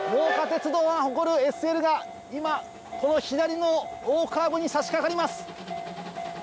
ファン誇るＳＬが今この左の大カーブに差し掛かります。